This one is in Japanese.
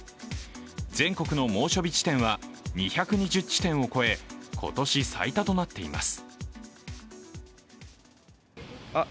全国の猛暑日地点は２２０地点を超え今年最多となっています。